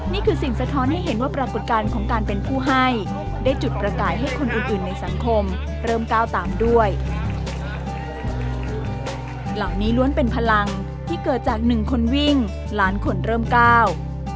นี่คือสิ่งสะท้อนให้เห็นว่าปรากฏการณ์ของการเป็นผู้ให้ได้จุดประกายให้คนอื่นในสังคมเริ่มก้าวตามด้วย